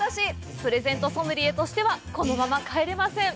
プレゼントソムリエとしてはこのまま帰れません。